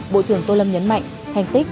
bộ trưởng tô lâm nhấn mạnh thành tích